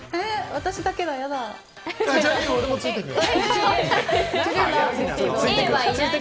私だけだ、嫌だ！